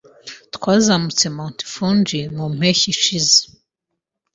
Twazamutse Mt. Fuji mu mpeshyi ishize.